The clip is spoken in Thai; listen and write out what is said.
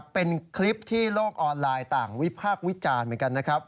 เป็นคลิปที่โลกออนไลน์ต่างวิพากษ์วิจารณ์เหมือนกันนะครับ